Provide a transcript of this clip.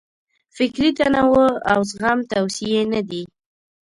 فکري تنوع او زغم توصیې نه دي.